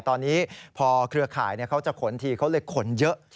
ตอนนี้พอเครือข่ายเขาจะขนทีเขาเลยขนเยอะ